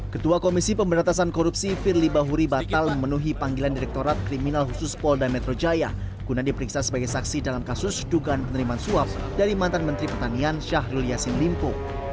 ketua komisi pemberantasan korupsi firly bahuri batal memenuhi panggilan direktorat kriminal khusus polda metro jaya guna diperiksa sebagai saksi dalam kasus dugaan penerimaan suap dari mantan menteri pertanian syahrul yassin limpo